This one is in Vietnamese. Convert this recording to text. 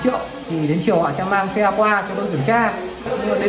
thì đến chiều họ sẽ mang xe qua cho đơn kiểm tra